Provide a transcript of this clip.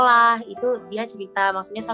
aku udah ntar udah bangun aja